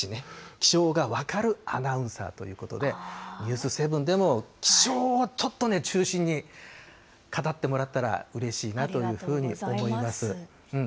気象が分かるアナウンサーということで、ニュース７でも気象をちょっと中心に語ってもらえたらうれしいなというふうに思います。